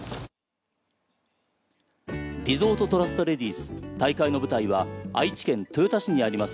リゾートトラストレディス大会の舞台は、愛知県豊田市にあります